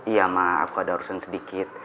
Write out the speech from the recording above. iya ma aku ada urusan sedikit